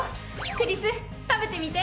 クリス食べてみて！